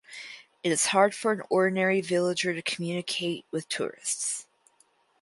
It is hard for an ordinary villager to communicate with tourists.